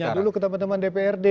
nah tanya dulu ke teman teman dprd